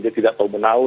dia tidak pemenang